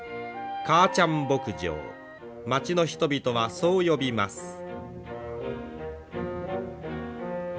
かあちゃん牧場町の人々はそう呼びます。